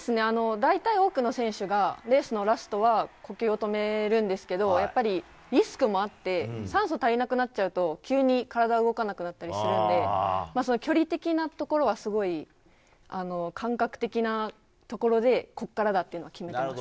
大体多くの選手がレースのラストは呼吸を止めるんですけどリスクもあって酸素足りなくなっちゃうと急に体が動かなくなったりするので距離的なところは感覚的なところでここからだというのを決めてます。